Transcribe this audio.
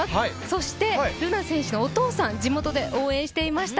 そして、月選手のお父さん、地元で応援していました